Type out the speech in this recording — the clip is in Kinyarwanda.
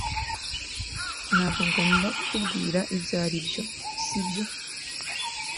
Ntabwo ngomba kukubwira ibyo aribyo, sibyo?